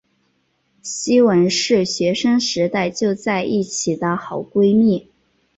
希汶是学生时代就在一起的好闺蜜。